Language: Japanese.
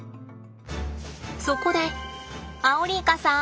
そこでアオリイカさん